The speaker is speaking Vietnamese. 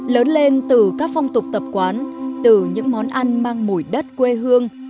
lớn lên từ các phong tục tập quán từ những món ăn mang mùi đất quê hương